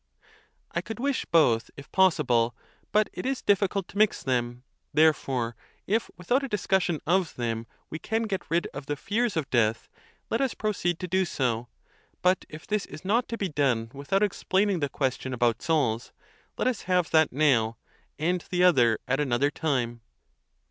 f A. I could wish both, if possible; but it is difficult. to mix them: therefore, if without a discussion of them we can get rid of the fears of death, let us proceed to do so; but if this is not to be done without explaining the ques tion about souls, let us have that now, and the other at an other time.